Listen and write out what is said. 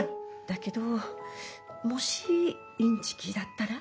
だけどもしインチキだったら？